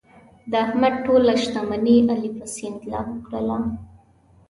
د احمد ټوله شتمني علي په سیند لاهو کړله.